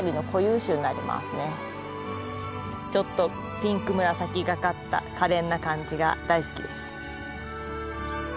ちょっとピンク紫がかったかれんな感じが大好きです。